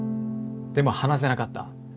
でも話せなかった。